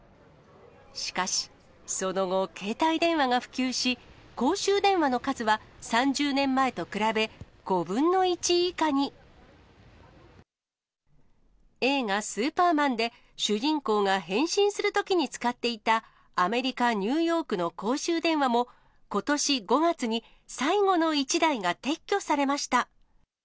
しかし、その後、携帯電話が普及し、公衆電話の数は３０年前と比べ、５分の１以下に。映画、スーパーマンで主人公が変身するときに使っていたアメリカ・ニューヨークの公衆電話も、ことし５月に最後の１台が撤去されました。